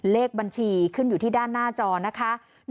เลขบัญชีขึ้นอยู่ที่ด้านหน้าจอนะคะ